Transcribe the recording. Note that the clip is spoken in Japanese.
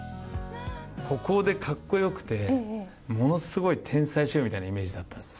孤高で格好良くてものすごい天才シェフみたいなイメージだったんですよ。